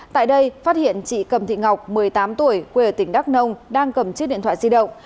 tại đây phát hiện chị cầm thị ngọc một mươi tám tuổi quê ở tỉnh đắk nông đang cầm chiếc điện thoại di động